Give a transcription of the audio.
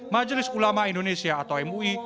majelis ulama indonesia atau mui